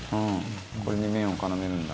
「これに麺を絡めるんだ」